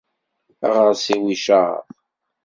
Aɣersiw icaḍ